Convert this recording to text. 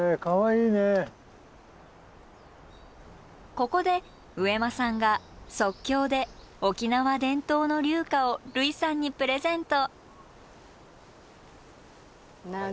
ここで上間さんが即興で沖縄伝統の琉歌を類さんにプレゼント。